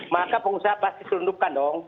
maka pengusaha pasti selundupkan dong